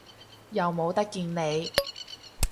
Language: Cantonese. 又冇得見你